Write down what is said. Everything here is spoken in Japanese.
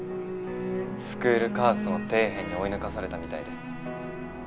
スクールカーストの底辺に追い抜かされたみたいで。